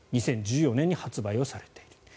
２０１４年に発売されている。